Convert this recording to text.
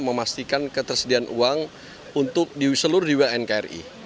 memastikan ketersediaan uang untuk di seluruh di wnkri